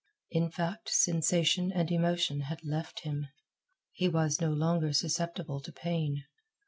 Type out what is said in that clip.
In fact, sensation and emotion had left him. He was no longer susceptible to pain.